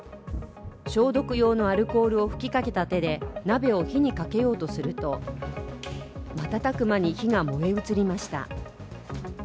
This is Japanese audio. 消毒用のアルコールを吹きかけた手で鍋に火をかけようとすると瞬く間に火が燃え移りました。